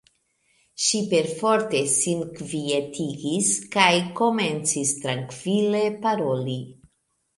Ŝi perforte sin kvietigis kaj komencis trankvile paroli.